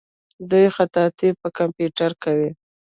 دوی خطاطي په کمپیوټر کې کوي.